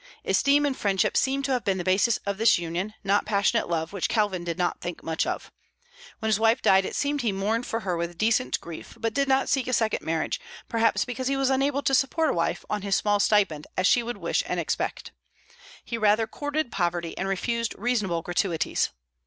Esteem and friendship seem to have been the basis of this union, not passionate love, which Calvin did not think much of. When his wife died it seems he mourned for her with decent grief, but did not seek a second marriage, perhaps because he was unable to support a wife on his small stipend as she would wish and expect. He rather courted poverty, and refused reasonable gratuities.